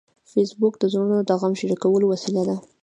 فېسبوک د زړونو د غم شریکولو وسیله ده